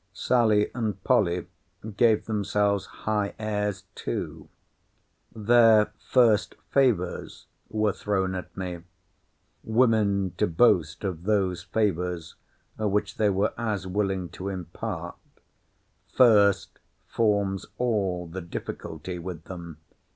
Sally and Polly gave themselves high airs too. Their first favours were thrown at me, [women to boast of those favours which they were as willing to impart, first forms all the difficulty with them!